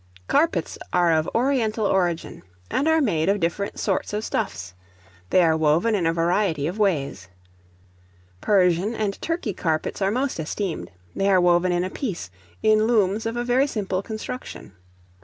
Carpets are of oriental origin, and are made of different sorts of stuffs; they are woven in a variety of ways. Persian and Turkey carpets are most esteemed; they are woven in a piece, in looms of a very simple construction.